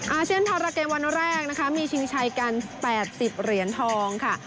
อาเซียนพาราเกมวันแรกนะคะมีชิงชัยกัน๘๐เหรียญทองค่ะ